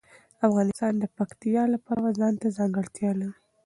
افغانستان د پکتیا د پلوه ځانته ځانګړتیا لري.